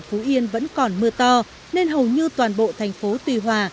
tỉnh phú yên vẫn còn mưa to nên hầu như toàn bộ thành phố tùy hòa